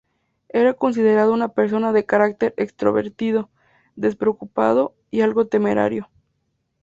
Era considerado una persona de carácter extrovertido, despreocupado y algo temerario.